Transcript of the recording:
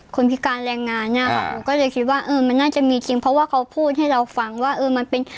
พิการแรงงานเนี่ยค่ะหนูก็เลยคิดว่าเออมันน่าจะมีจริงเพราะว่าเขาพูดให้เราฟังว่าเออมันเป็น